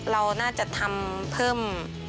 เราน่าจะทำเพิ่ม